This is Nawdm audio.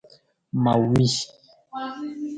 Mawii.